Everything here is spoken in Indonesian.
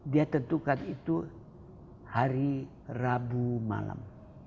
dia tentukan itu hari rabu malam